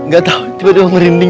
gatau tiba tiba merinding